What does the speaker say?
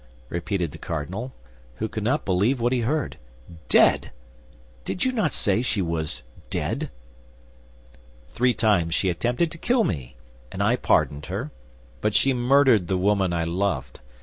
repeated the cardinal, who could not believe what he heard, "dead! Did you not say she was dead?" "Three times she attempted to kill me, and I pardoned her; but she murdered the woman I loved.